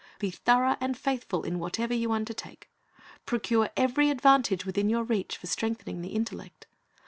Be thorough and faithful in whatever you undertake. Procure every advantage within your reach for strengthening the intellect.